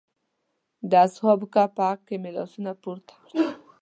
د اصحاب کهف په حق کې مې لاسونه پورته کړل.